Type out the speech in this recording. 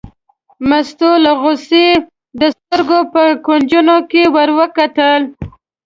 مستو له غوسې د سترګو په کونجو کې ور وکتل.